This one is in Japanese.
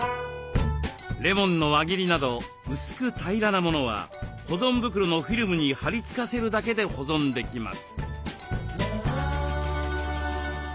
レモンの輪切りなど薄く平らなものは保存袋のフィルムにはり付かせるだけで保存できます。